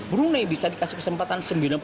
brunei bisa dikasih kesempatan